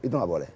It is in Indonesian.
itu nggak boleh